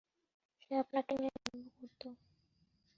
সে আপনাকে নিয়ে গর্ব করতো।